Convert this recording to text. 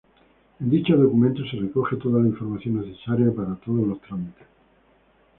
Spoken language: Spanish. En dicho documento se recoge toda la información necesaria para todos los trámites.